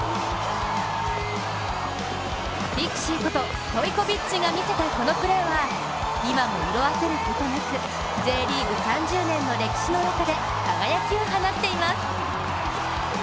ピクシーことストイコビッチが見せたこのプレーは今も色あせることなく、Ｊリーグ３０年の歴史の中で輝きを放っています。